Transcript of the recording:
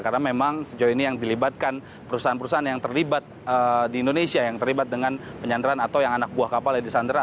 karena memang sejauh ini yang dilibatkan perusahaan perusahaan yang terlibat di indonesia yang terlibat dengan penyandaran atau yang anak buah kapal yang disandara